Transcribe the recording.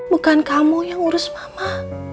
bukan kamu yang urus mama